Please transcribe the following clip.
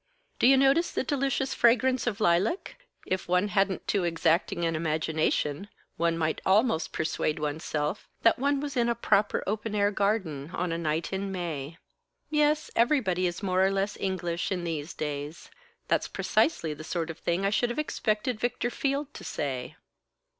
Do you notice the delicious fragrance of lilac? If one hadn't too exacting an imagination, one might almost persuade oneself that one was in a proper open air garden, on a night in May Yes, everybody is more or less English, in these days. That's precisely the sort of thing I should have expected Victor Field to say."